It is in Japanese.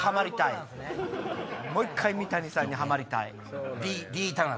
もう１回三谷さんにハマりたい。